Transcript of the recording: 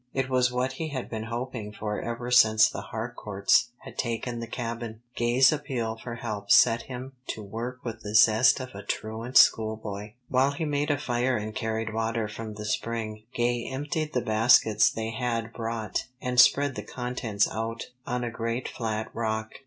It was what he had been hoping for ever since the Harcourts had taken the Cabin. Gay's appeal for help set him to work with the zest of a truant school boy. While he made a fire and carried water from the spring, Gay emptied the baskets they had brought, and spread the contents out on a great flat rock.